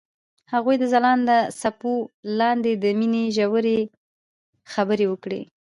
هغوی د ځلانده څپو لاندې د مینې ژورې خبرې وکړې.